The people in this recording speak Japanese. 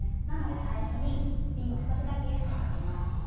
なので最初にびんを少しだけゆるめておきます。